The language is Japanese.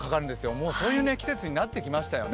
もうそんな季節になってきましたよね。